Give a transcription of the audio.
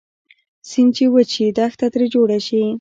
سیند چې وچ شي دښته تري جوړه شي